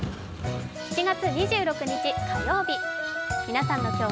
７月２６日火曜日